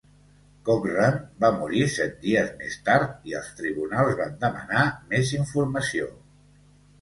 Cochran va morir set dies més tard i els tribunals van demanar més informació.